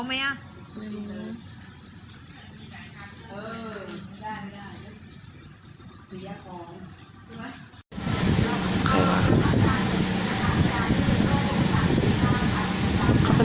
อัศวินประสุนที่๓นิตย์ในเมืองที่๕ภาคประเภท